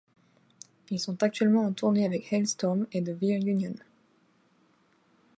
Ils sont actuellement en tournée avec Halestorm et The Veer Union.